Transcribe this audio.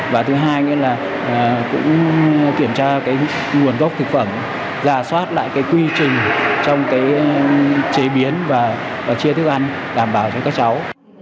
và thứ hai là kiểm tra nguồn gốc thực phẩm giả soát lại quy trình trong chế biến và chia thức ăn đảm bảo cho các cháu